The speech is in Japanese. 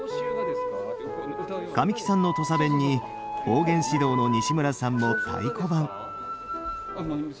神木さんの土佐弁に方言指導の西村さんも太鼓判。